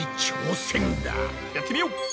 やってみよう！